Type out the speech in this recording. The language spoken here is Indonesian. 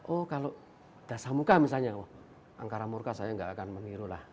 oh kalau dasamukha misalnya oh angkara murka saya gak akan mengirulah